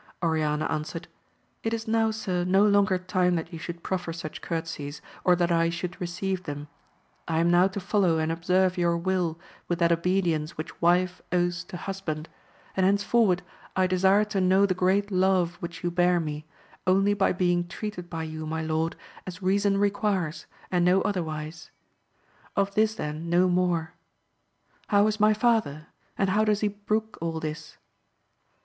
Oriana answered, It is now, sir, no longer time that you should AMADIS OF GAUL. 259 proflfer such courtesies, or that I should receive thenu I am now to follow and observe your will with that obedience which wife owes to husband, and hence forward I desire to know the great love which you bear me, only by being treated by you, my lord, as reason requires, and no otherwise. Of this, then, no more ; how is my father ? and how does he brook all this?